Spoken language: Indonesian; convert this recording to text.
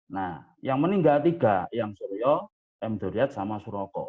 nah yang meninggal tiga yang suryo m doriat sama suroko